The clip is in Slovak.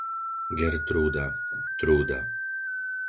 Gertrúda, Trúda